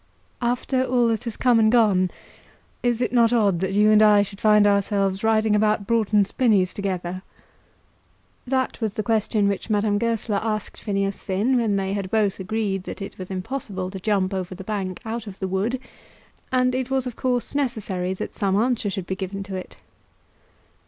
"After all that has come and gone, is it not odd that you and I should find ourselves riding about Broughton Spinnies together?" That was the question which Madame Goesler asked Phineas Finn when they had both agreed that it was impossible to jump over the bank out of the wood, and it was, of course, necessary that some answer should be given to it.